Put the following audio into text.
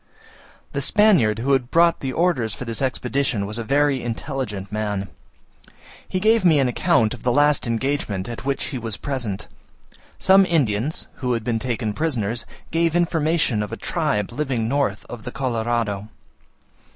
The Spaniard who brought the orders for this expedition was a very intelligent man. He gave me an account of the last engagement at which he was present. Some Indians, who had been taken prisoners, gave information of a tribe living north of the Colorado.